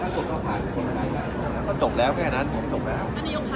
แต่ถ้าถูกเข้ามาก็จบแล้วแค่นั้นจบแล้ว